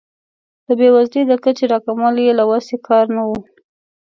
د بیوزلۍ د کچې راکمول یې له وس کار نه و.